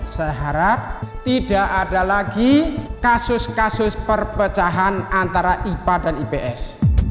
saya harap tidak ada lagi kasus kasus perpecahan antara ipa dan ips